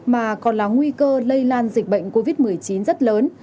mà còn là nguy cơ lây lan dịch bệnh covid một mươi chín rất lớn